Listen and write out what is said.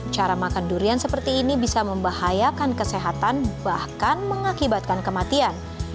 cara makan durian seperti ini bisa membahayakan kesehatan bahkan mengakibatkan kematian